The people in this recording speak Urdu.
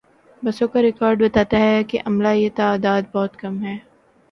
بسوں کا ریکارڈ بتاتا ہے کہ عملا یہ تعداد بہت کم ہے۔